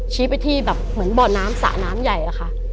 ไปที่แบบเหมือนบ่อน้ำสระน้ำใหญ่อะค่ะ